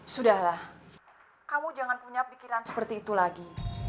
sudahlah kamu jangan punya pikiran seperti itu lagi